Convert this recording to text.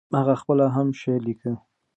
هغه خپله هم شعر ليکه.